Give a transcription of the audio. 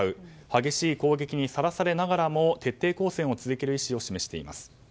激しい攻撃にさらされながらも徹底抗戦を続ける意思を示しています。